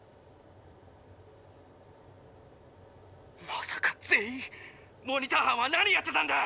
まさか全員⁉モニター班は何をやってたんだ！